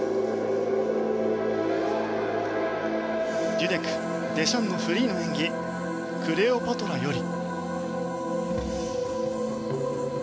デュデク、デシャンのフリー「クレオパトラ」より。